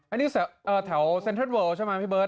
อันนี้แสวเอ่อแถวเซ็นเทิร์ดเวิลด์ใช่ไหมพี่เบิร์ต